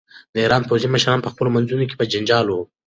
د ایران پوځي مشران په خپلو منځونو کې په جنجال وو.